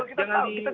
kita tidak menafikan